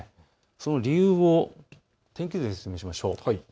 その理由を天気図で説明しましょう。